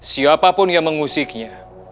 siapapun yang mengusiknya